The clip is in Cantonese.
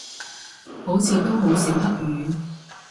好似都好少黑雨